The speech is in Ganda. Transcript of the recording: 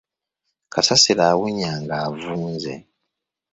Kasasiro awunya ng'avunze.